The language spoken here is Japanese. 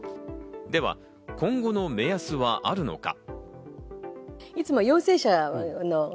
では今後の目安はあるのか。